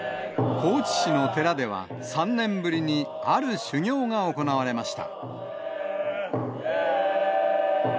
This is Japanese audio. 高知市の寺では、３年ぶりにある修行が行われました。